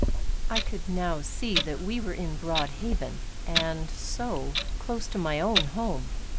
I could now see that we were in Broad Haven and, so, close to my own home.